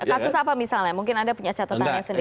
kasus apa misalnya mungkin anda punya catatannya sendiri